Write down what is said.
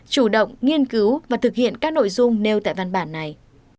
chủ động nghiên cứu và thực hiện các nội dung nêu tại văn bản này